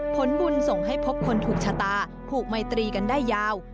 ผลบุญส่งให้พบคนถูกชะตาผูกไมตรีกันได้ยาว